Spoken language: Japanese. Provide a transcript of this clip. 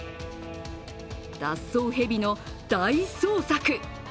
脱走蛇の大捜索。